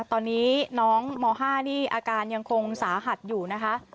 ตอนนี้น้องม๕นี่อาการยังคงสาหัสอยู่นะคะ